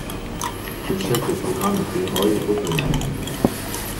Le chef des programmes était Roy Oppenheim.